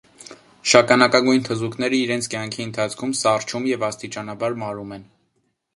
Շագանակագույն թզուկները իրենց կյանքի ընթացքում սառչում և աստիճանաբար մարում են։